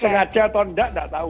sengaja atau enggak enggak tahu